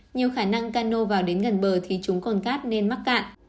nhiều khả năng cano vào đến gần bờ thì chúng còn cát nên mắc cạn